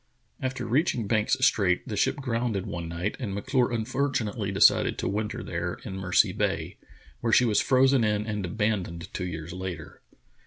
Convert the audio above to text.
After reaching Banks Strait the ship grounded one night and M'Clure unfortunately decided to winter there, in Mercy Bay, where she was frozen in and abandoned two years later.